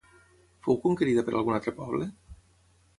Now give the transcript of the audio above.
Fou conquerida per algun altre poble?